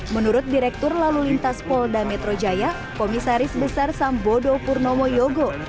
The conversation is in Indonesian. menurut direktur lalu lintas polda metro jaya komisaris besar sambodo purnomo yogo